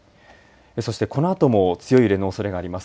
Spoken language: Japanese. そして、このあとも強い揺れのおそれがあります。